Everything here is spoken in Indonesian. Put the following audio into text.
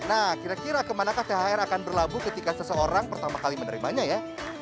nah kira kira kemanakah thr akan berlabuh ketika seseorang pertama kali menerimanya ya